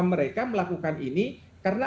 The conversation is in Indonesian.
mereka melakukan ini karena